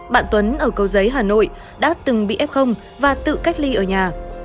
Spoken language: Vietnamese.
bạn tuấn ở cầu giấy hà nội đã từng bị f và tự cách ly ở nhà